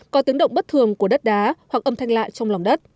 có tiếng động bất thường của đất đá hoặc âm thanh lạ trong lòng đất